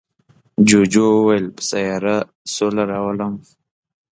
جوجو وویل په سیاره سوله راولم.